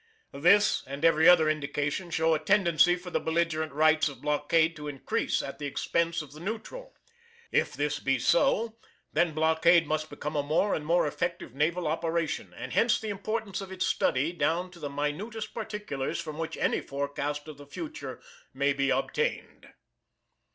This and every other indication show a tendency for the belligerent rights of blockade to increase at the expense of the neutral. If this be so, then blockade must become a more and more effective naval operation, and hence the importance of its study down to the minutest particulars from which any forecast of the future may be obtained.